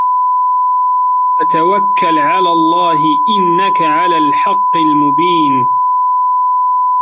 فَتَوَكَّل عَلَى اللَّهِ إِنَّكَ عَلَى الحَقِّ المُبينِ